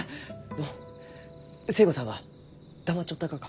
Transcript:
のう寿恵子さんは黙っちょったがか？